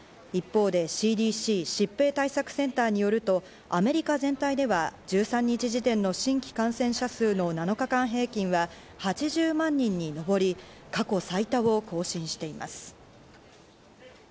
一方でＣＤＣ＝疾病対策センターによると、アメリカ全体では１３日時点の新規感染者数の７日間平均は８０万人に迫り、過去最多を更新しています。